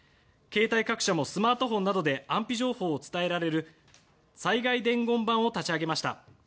携帯各社もスマートフォンなどで安否情報を伝えられる災害伝言板を立ち上げました。